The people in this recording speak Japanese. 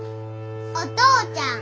お父ちゃん。